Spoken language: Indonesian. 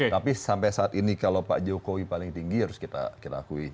tapi sampai saat ini kalau pak jokowi paling tinggi harus kita akui